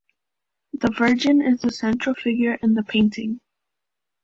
The Virgin is the central figure in the painting.